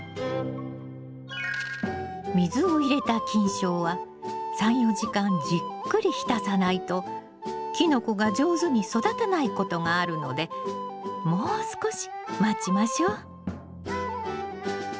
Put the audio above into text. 水を入れた菌床は３４時間じっくり浸さないとキノコが上手に育たないことがあるのでもう少し待ちましょう。